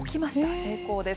成功です。